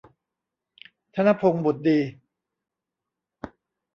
ธนพงษ์ บุตรดี